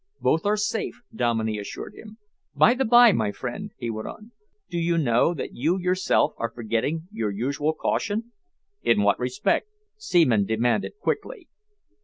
"Both are safe," Dominey assured him. "By the by, my friend," he went on, "do you know that you yourself are forgetting your usual caution?" "In what respect?" Seaman demanded quickly.